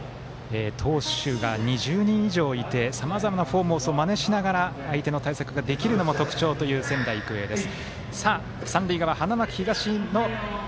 投手が２０人以上いてさまざまなフォームをまねしながら相手の対策ができるのが特徴という、仙台育英です。